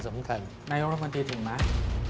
นายกรมตรีถึงไหม